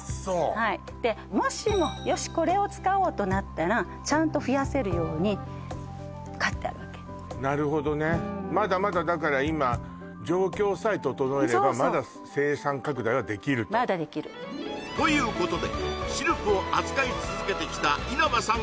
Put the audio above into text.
はいでもしも「よしこれを使おう」となったらちゃんと増やせるように飼ってあるわけなるほどねまだまだだから今そうそうまだできるということでシルクを扱い続けてきた稲葉さん